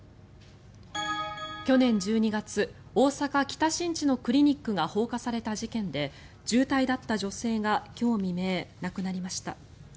去年１２月、大阪・北新地のクリニックが放火された事件で重体だった女性が今日未明、亡くなりました。